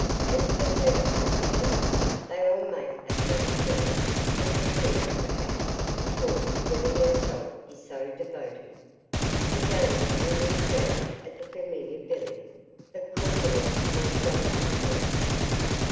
As for her 'Aunt Hannah' they all make a pet of her; but that is, perhaps, because Billy herself is so devoted." Again William frowned at the familiar "Billy"; but Calderwell talked on unheeding.